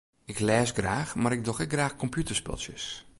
Ik lês graach mar ik doch ek graach kompjûterspultsjes.